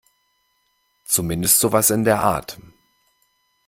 Zumindest sowas in der Art.